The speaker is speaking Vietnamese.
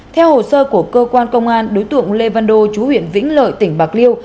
theo hồ sơ của cơ quan công an đối tượng lê văn đô chú huyện vĩnh lợi tỉnh bạc liêu